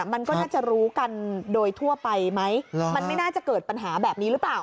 มันก็น่าจะรู้กันโดยทั่วไปไหมมันไม่น่าจะเกิดปัญหาแบบนี้หรือเปล่า